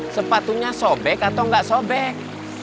sepatunya sobek atau nggak sobek